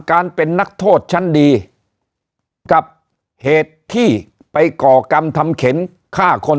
การเป็นนักโทษชั้นดีกับเหตุที่ไปก่อกรรมทำเข็นฆ่าคน